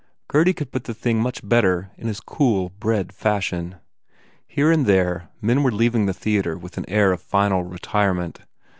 Gurdy could put the thing much better in his cool, bred fashion. Here and there men were leaving the theatre with an air of final retirement.